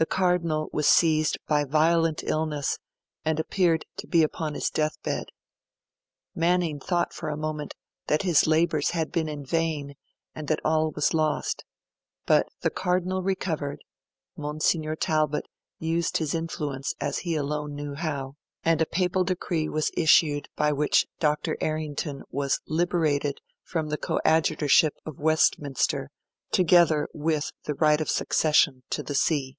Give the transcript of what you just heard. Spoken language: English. The Cardinal was seized by violent illness, and appeared to be upon his deathbed. Manning thought for a moment that his labours had been in vain and that all was lost. But the Cardinal recovered; Monsignor Talbot used his influence as he alone knew how; and a papal decree was issued by which Dr. Errington was 'liberated' from the Coadjutorship of Westminster, together with the right of succession to the See.